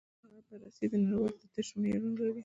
هغه بررسي د نړیوال تفتیش معیارونه لري.